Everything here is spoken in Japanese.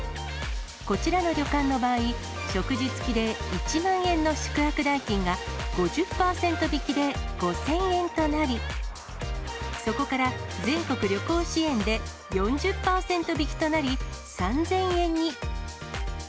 こちらの旅館の場合、食事付きで１万円の宿泊代金が、５０％引きで５０００円となり、そこから全国旅行支援で４０％引きとなり、３０００円に。